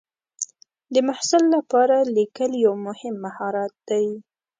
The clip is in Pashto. د محصل لپاره لیکل یو مهم مهارت دی.